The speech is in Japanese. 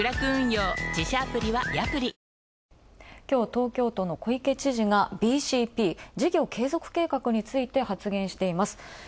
きょう東京都の小池都知事知事がＢＣＰ＝事業継続計画について発言しています。